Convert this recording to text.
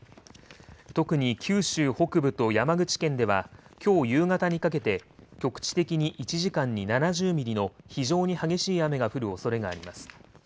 特に九州北部と山口県ではきょう夕方にかけて、局地的に１時間に７０ミリの非常に激しい雨が降るおそれがあります。